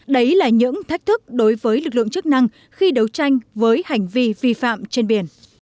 đấy là những thách thức đối với lực lượng chức năng khi đấu tranh với hành vi vi phạm trên biển